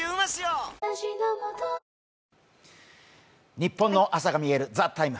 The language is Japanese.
ニッポンの朝がみえる「ＴＨＥＴＩＭＥ，」